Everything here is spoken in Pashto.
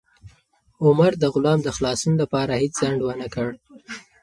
عمر د غلام د خلاصون لپاره هیڅ ځنډ ونه کړ.